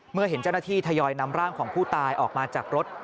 เมื่อเห็นเจ้าหน้าที่ทยอยนำร่างของผู้ตายออกมาจากรถ